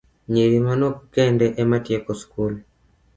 Nyiri manok kende ema tieko skul